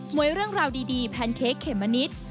วยเรื่องราวดีแพนเค้กเขมมะนิด